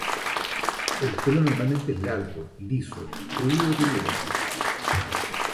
El pelo normalmente es largo, liso, rubio o pelirrojo.